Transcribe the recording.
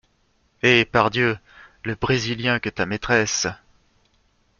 Eh pardieu ! le Brésilien que ta maîtresse…